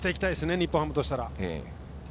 日本ハムとしたら。